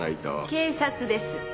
警察です。